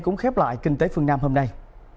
cũng khép lại kinh tế phương nam hôm nay